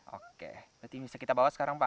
oke berarti bisa kita bawa sekarang pak